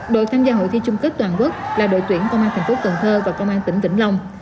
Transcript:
đội tham gia hội thi chung kết toàn quốc là đội tuyển công an thành phố cần thơ và công an tỉnh vĩnh long